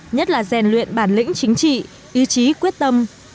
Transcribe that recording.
nhất là rèn luyện bản lĩnh chính trị ý chí quyết tâm